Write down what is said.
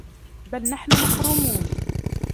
بَلْ نَحْنُ مَحْرُومُونَ